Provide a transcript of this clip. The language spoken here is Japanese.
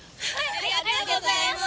ありがとうございます！